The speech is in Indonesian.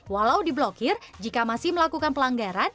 walau diblokir jika masih melakukan pelanggaran